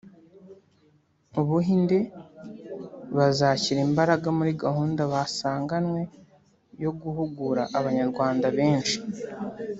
u Buhinde bazashyira imbaraga muri gahunda basanganywe yo guhugura Abanyarwanda benshi